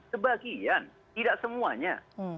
sebagian tidak semuanya